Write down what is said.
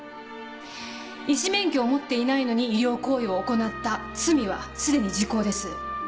医師免許を持っていないのに医療行為を行った罪はすでに時効です。